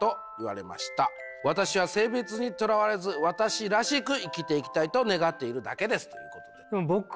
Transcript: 私は性別にとらわれず私らしく生きていきたいと願っているだけです」ということです。